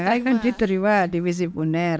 saya kan diterima di fisip uner